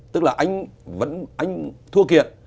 tức là anh thua kiện